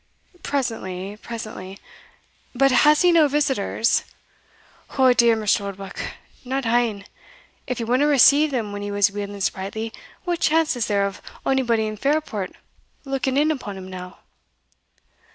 "Presently, presently. But has he no visitors?" "O dear, Mr. Oldbuck, not ane; if he wadna receive them when he was weel and sprightly, what chance is there of onybody in Fairport looking in upon him now?"